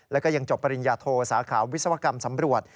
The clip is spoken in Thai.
แล้วก็ยังจบปริญญาโทสาขาวิศวกรรมสำรวจ